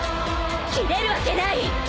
斬れるわけない